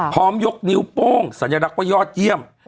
ยกนิ้วโป้งสัญลักษณ์ว่ายอดเยี่ยม